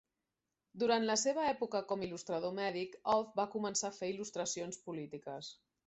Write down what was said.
Durant la seva època com il·lustrador mèdic, Auth va començar a fer il·lustracions polítiques.